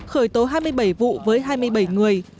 khởi tố hai mươi bảy vụ với hai mươi bảy người